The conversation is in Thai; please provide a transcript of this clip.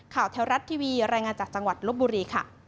ข่าวไทยรัตน์ทีวีรายงานจากจังหวัดลบบุรีค่ะ